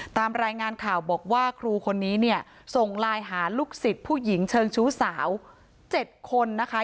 ตามรายงานข่าวบอกว่าครูคนนี้เนี่ยส่งไลน์หาลูกศิษย์ผู้หญิงเชิงชู้สาว๗คนนะคะ